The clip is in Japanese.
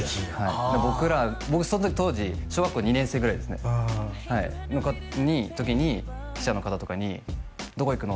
僕ら僕その時当時小学校２年生ぐらいですねの子に時に記者の方とかに「どこ行くの？」